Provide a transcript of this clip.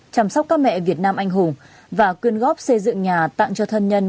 chăm sóc các mẹ việt nam anh hùng và quyên góp xây dựng nhà tặng cho thân nhân